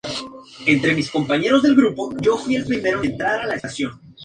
El mismo año acabó segundo en Linares tras Gari Kaspárov.